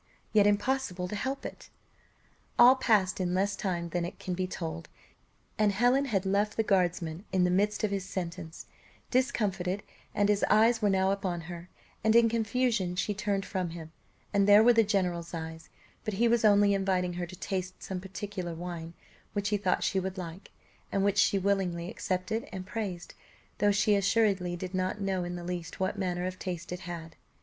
yet impossible to help it. All passed in less time than it can be told, and Helen had left the guardsman in the midst of his sentence, discomfited, and his eyes were now upon her; and in confusion she turned from him, and there were the general's eyes but he was only inviting her to taste some particular wine, which he thought she would like, and which she willingly accepted, and praised, though she assuredly did not know in the least what manner of taste it had.